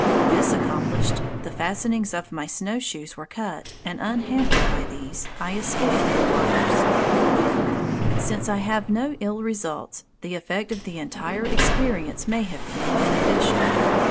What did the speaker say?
This accomplished, the fastenings of my snowshoes were cut, and unhampered by these, I escaped the waters. Since I have felt no ill results, the effect of the entire experience may have been beneficial.